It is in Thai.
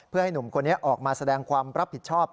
เพื่อให้หนุ่มคนนี้ออกมาแสดงความรับผิดชอบ